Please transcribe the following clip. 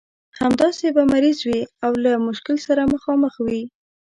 همداسې به مریض وي او له مشکل سره مخامخ وي.